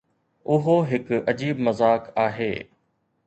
اهو هڪ عجيب مذاق آهي.